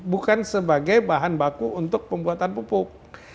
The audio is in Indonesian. bukan sebagai bahan baku untuk pembuatan pupuk